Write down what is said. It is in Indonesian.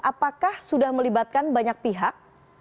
apakah sudah melibatkan banyak pihak